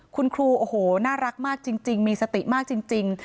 คุณครูโอ้โหน่ารักมากจริงมีสติมากจริง